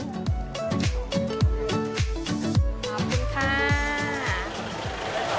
ขอบคุณค่ะ